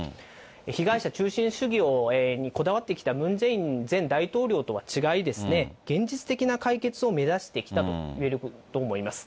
被害者中心主義にこだわってきたムン・ジェイン前大統領とは違い、現実的な解決を目指してきたといえると思います。